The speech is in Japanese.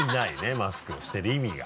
マスクをしてる意味が。